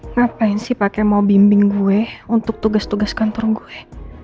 ngapain sih pakai mau bimbing gue untuk tugas tugas kantrong gue